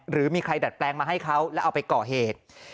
หรือมีใครดัดแปลงมาให้เขาแล้วเอาไปก่อเหตุ